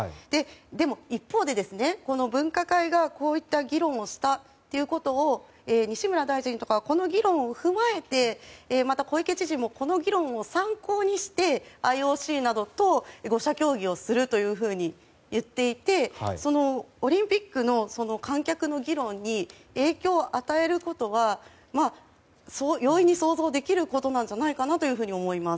でも一方で分科会が、こういった議論をしたということを西村大臣とかこの議論を踏まえてまた小池知事もこの議論を参考にしてＩＯＣなどと５者協議をするというふうに言っていて、オリンピックの観客の議論に影響を与えることは容易に想像できることなんじゃないかなと思います。